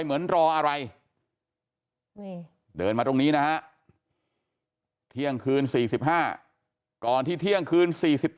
เหมือนรออะไรนี่เดินมาตรงนี้นะฮะเที่ยงคืน๔๕ก่อนที่เที่ยงคืน๔๘